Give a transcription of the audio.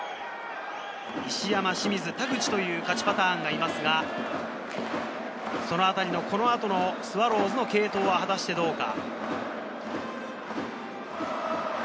石山、清水、田口という勝ちパターンがありますが、そのあたりのこの後のスワローズの継投は果たしてどうか？